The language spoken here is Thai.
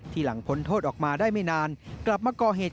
หลังพ้นโทษออกมาได้ไม่นานกลับมาก่อเหตุ